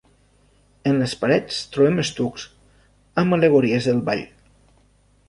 En les parets trobem estucs amb al·legories del ball.